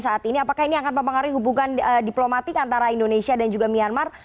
apakah ini akan mempengaruhi hubungan diplomatik antara indonesia dan juga myanmar